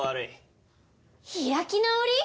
開き直り？